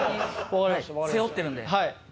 背負ってるんで。